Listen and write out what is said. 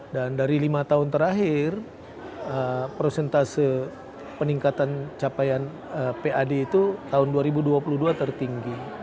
dan dari lima tahun terakhir prosentase peningkatan capaian pad itu tahun dua ribu dua puluh dua tertinggi